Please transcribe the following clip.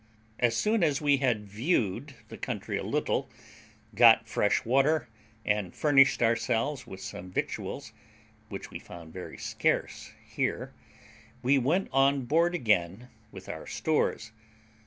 As soon as we had viewed the country a little, got fresh water, and furnished ourselves with some victuals, which we found very scarce here, we went on board again with our stores.